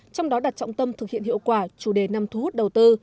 trong đó đặt trọng tâm thực hiện hiệu quả chủ đề năm thu hút đầu tư